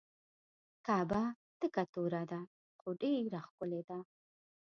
کعبه تکه توره ده خو ډیره ښکلې ده.